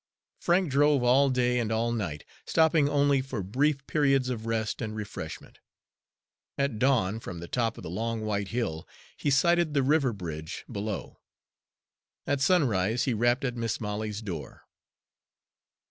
Frank drove all day and all night, stopping only for brief periods of rest and refreshment. At dawn, from the top of the long white hill, he sighted the river bridge below. At sunrise he rapped at Mis' Molly's door.